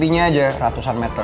nanti aja ratusan meter